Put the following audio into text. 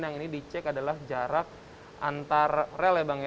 yang ini dicek adalah jarak antar rel ya bang ya